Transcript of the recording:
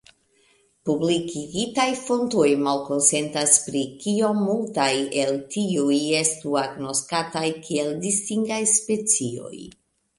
Publikigitaj fontoj malkonsentas pri kiom multaj el tiuj estu agnoskataj kiel distingaj specioj.